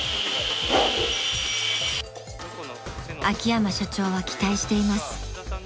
［秋山社長は期待しています］